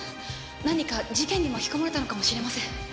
何か事件に巻き込まれたのかもしれません。